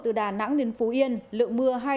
từ đà nẵng đến phú yên lượng mưa